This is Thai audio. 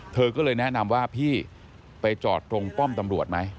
เธอก็เลยแนะนำว่าพี่ไปจอดตรงป้อมตำรวจไหม